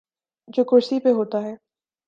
جو کرسی پہ ہوتا ہے۔